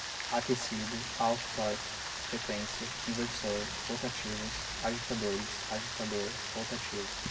aquecido, alto torque, frequência, inversor, rotativos, agitadores, agitador, rotativo